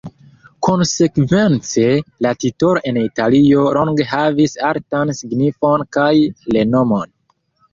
Konsekvence, la titolo en Italio longe havis altan signifon kaj renomon.